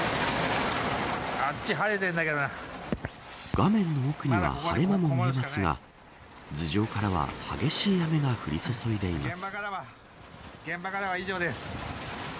画面の奥には晴れ間も見えますが頭上からは激しい雨が降り注いでいます。